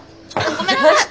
ごめんなさい！